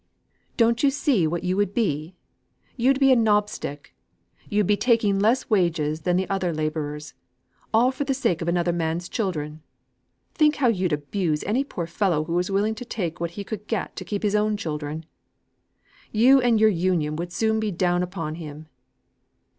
"Don't you see what you would be? You'd be a knobstick. You'd be taking less wages than the other labourers all for the sake of another man's children. Think how you'd abuse any poor fellow who was willing to take what he could get to keep his own children. You and your Union would soon be down upon him.